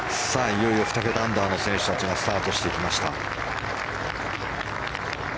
いよいよ２桁アンダーの選手たちがスタートしていきました。